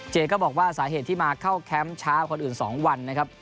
ก็บอกว่าสาเหตุที่มาเข้าแคมป์ช้าคนอื่น๒วันนะครับ